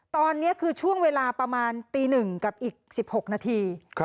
ตอนนี้คือช่วงเวลาประมาณตี๑กับอีก๑๖นาที